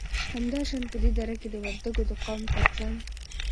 همدا شان په دې دره کې د وردگو د قوم تر څنگ